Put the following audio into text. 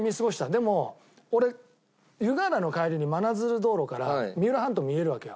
でも俺湯河原の帰りに真鶴道路から三浦半島見えるわけよ。